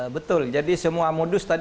betul jadi semua modus tadi